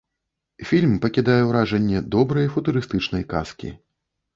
Фільм пакідае ўражанне добрай футурыстычнай казкі.